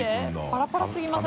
パラパラすぎません？